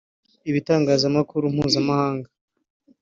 ibitangzamakuru mpuzamahanga